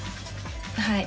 はい。